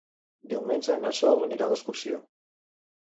Diumenge na Sol anirà d'excursió.